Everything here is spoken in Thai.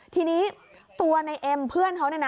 ทีนี้ตัวในเอ็มเพื่อนเขาเนี่ยนะ